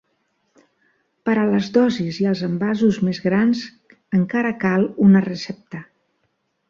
Per a les dosis i els envasos més grans encara cal una recepta.